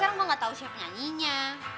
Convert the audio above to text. sekarang gue gak tau siapa nyanyinya